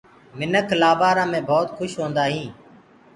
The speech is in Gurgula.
منک لآبآرآ مي ڀوت کوُش هوندآ هينٚ۔